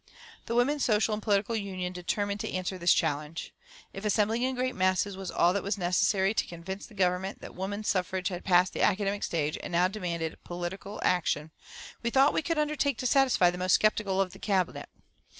The Women's Social and Political Union determined to answer this challenge. If assembling in great masses was all that was necessary to convince the Government that woman suffrage had passed the academic stage and now demanded political action, we thought we could undertake to satisfy the most skeptical member of the Cabinet.